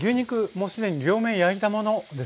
もうすでに両面焼いたものですね。